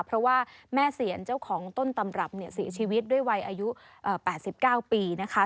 เพราะว่าแม่เสียนเจ้าของต้นตำรับเนี่ยเสียชีวิตด้วยวัยอายุ๘๙ปีนะคะ